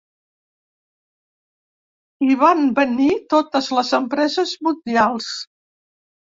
I van venir totes les empreses mundials.